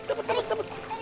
dah cukup lah siti